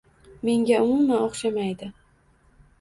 Menga umuman o`xshamaydi